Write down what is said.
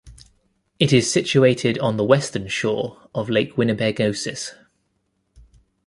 It is situated on the western shore of Lake Winnipegosis.